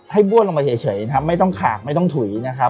ให้บวนลงไปเฉยไม่ต้องขากไม่ต้องถุ๋ย